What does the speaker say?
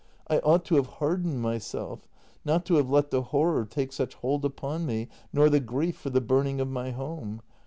I ought to have hardened myself — not to have let the horror take such hold upon me — nor the grief for the burning of my home.